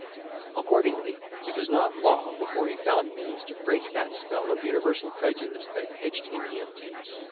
Accordingly, it was not long before he found means to break that spell of universal prejudice that hedged him in.